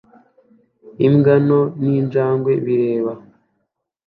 Imbwa nto n'injangwe bireba